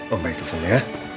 om baik tolong ya